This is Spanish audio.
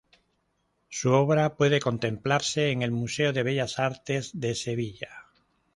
Su obra puede contemplarse en el Museo de Bellas Artes de Sevilla.